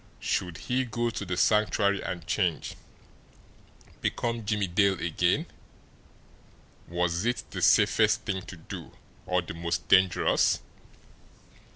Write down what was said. Should he go to the Sanctuary and change become Jimmie Dale again? Was it the safest thing to do or the most dangerous?